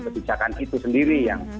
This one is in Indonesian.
kebijakan itu sendiri yang